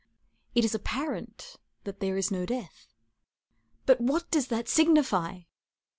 It is apparent that there is no death. But what does that signify?